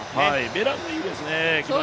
ベランもいいですね。